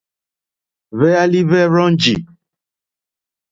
Hwéálí hwɛ́ rzɔ́njì.